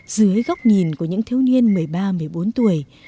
dưới góc nhìn của những thiếu niên một mươi ba một mươi bốn tuổi